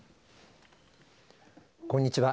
こんにちは。